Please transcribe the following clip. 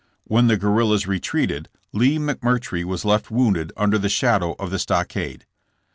When the guerrillas retreated Lee McMurtry was left wounded under the shadow of the stockade.